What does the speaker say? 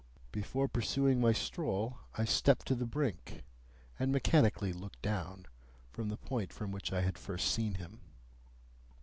Before pursuing my stroll, I stepped to the brink, and mechanically looked down, from the point from which I had first seen him.